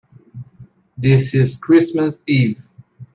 This is Christmas Eve.